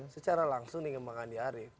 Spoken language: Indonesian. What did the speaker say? secara langsung nih ke bang andi arief